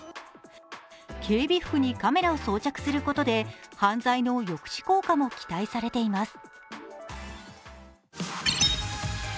警備服にカメラを装着することで犯罪の抑止効果も期待されています。